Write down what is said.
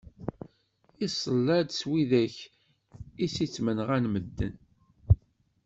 Iṣella-d s widak i s ttmenɣan medden.